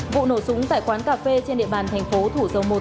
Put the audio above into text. vụ nổ súng tại quán cà phê trên địa bàn thành phố thủ dầu một